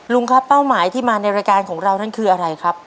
ลุงครับเป้าหมายที่มาในรายการของเรานั่นคืออะไรครับ